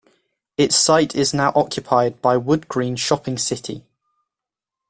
Its site is now occupied by Wood Green Shopping City.